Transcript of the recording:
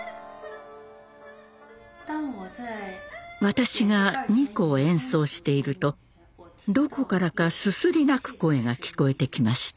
私が二胡を演奏しているとどこからかすすり泣く声が聞こえてきました。